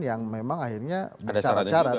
yang memang akhirnya bersyarat